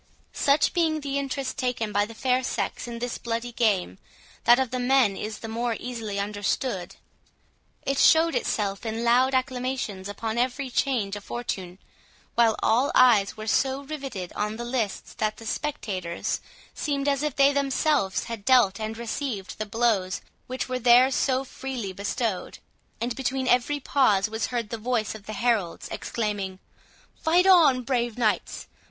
Such being the interest taken by the fair sex in this bloody game, that of the men is the more easily understood. It showed itself in loud acclamations upon every change of fortune, while all eyes were so riveted on the lists, that the spectators seemed as if they themselves had dealt and received the blows which were there so freely bestowed. And between every pause was heard the voice of the heralds, exclaiming, "Fight on, brave knights!